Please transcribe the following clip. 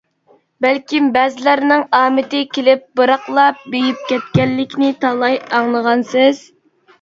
بەلكىم بەزىلەرنىڭ ئامىتى كېلىپ بىراقلا بېيىپ كەتكەنلىكىنى تالاي ئاڭلىغانسىز.